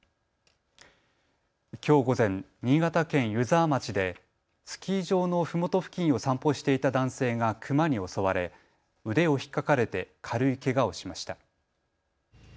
きょう午前、新潟県湯沢町でスキー場のふもと付近を散歩していた男性がクマに襲われ腕をひっかかれて軽いけがをしました。